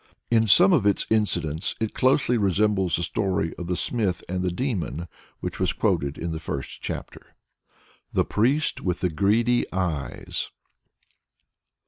In some of its incidents it closely resembles the story of "The Smith and the Demon," which was quoted in the first chapter. THE PRIEST WITH THE GREEDY EYES.